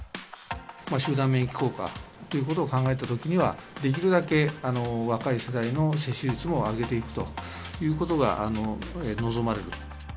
集団免疫効果ということを考えたときには、できるだけ若い世代の接種率も上げていくということが望まれる。